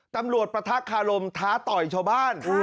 ตำรวจประทักษ์คารมท้าต่อยชาวบ้าน